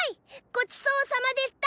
ごちそうさまでした！